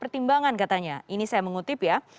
pertimbangan katanya ini saya mengutip ya